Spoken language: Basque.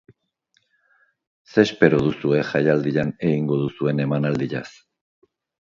Zer espero duzue jaialdian egingo duzuen emanaldiaz?